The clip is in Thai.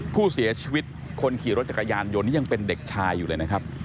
ผู้เสียชีวิตคนขี่รถจักรยานยนต์นี่ยังเป็นเด็กชายอยู่เลยนะครับ